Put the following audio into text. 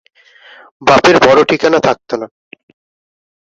বাপের বড় ঠিকানা থাকত না।